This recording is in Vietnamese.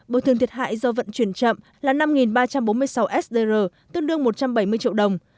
bồi thường thiệt hại do vận chuyển chậm là năm ba trăm bốn mươi sáu sdr tương đương một trăm bảy mươi triệu đồng